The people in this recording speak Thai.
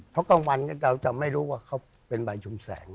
เพราะกลางวันเราจะไม่รู้ว่าเขาเป็นใบชุมแสง